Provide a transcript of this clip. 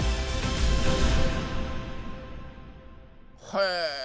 へえ。